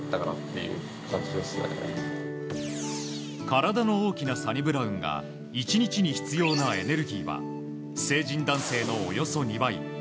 体の大きなサニブラウンが１日に必要なエネルギーは成人男性のおよそ２倍４０００